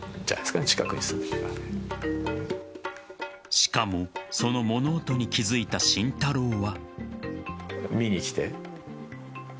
しかもその物音に気づいた慎太郎は。